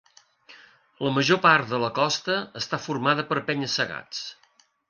La major part de la costa està formada per penya-segats.